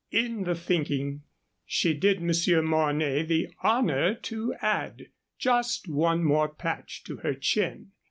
In the thinking, she did Monsieur Mornay the honor to add just one more patch to her chin.